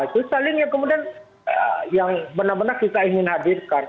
itu salingnya kemudian yang benar benar kita ingin hadirkan